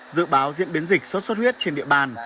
dự báo diễn biến dịch sốt xuất huyết trên địa bàn